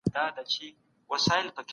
علمي قانون د علت پر ثابتو اړيکو ولاړ دی.